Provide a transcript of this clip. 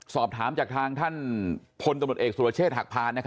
สอบถามจากทางท่านพตเอกสุรเชษฐ์หักพลาด